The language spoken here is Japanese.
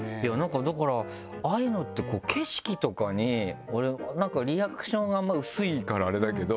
だからああいうのって景色とかに俺リアクションが薄いからあれだけど。